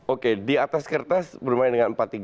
oke di atas kertas bermain dengan empat tiga